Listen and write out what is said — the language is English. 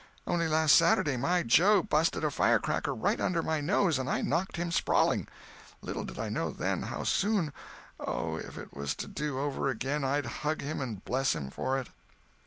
Only last Saturday my Joe busted a firecracker right under my nose and I knocked him sprawling. Little did I know then, how soon—Oh, if it was to do over again I'd hug him and bless him for it."